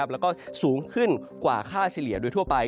แล้วก็สูงขึ้นกว่าค่าเฉลี่ยโดยทั่วไป